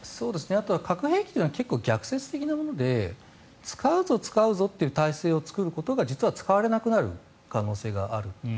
あとは核兵器というのは結構、逆説的なもので使うぞ、使うぞという体制を作ることが実は使われなくなる可能性がある。